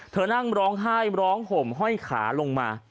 นั่งร้องไห้ร้องห่มห้อยขาลงมา